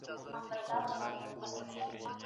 د هنر تخیل داستان ته نوی رنګ وربښي.